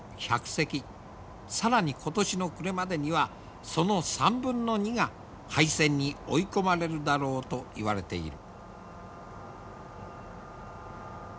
更に今年の暮れまでにはその３分の２が廃船に追い込まれるだろうといわれている。